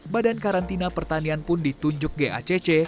badan karantina pertanian pun ditunjuk gacc